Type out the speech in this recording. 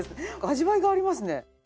味わいがありますね。